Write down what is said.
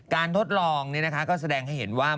การทดลองนี่นะคะก็แสดงให้เห็นว่า